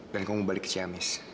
dan kamu balik ke ciamis